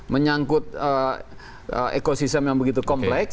menyangkut ekosistem yang begitu kompleks